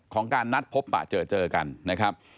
การนัดพบปะเจอเจอกันนะครับ